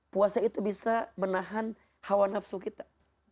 puasa itu bisa menahan hawa nafsu kita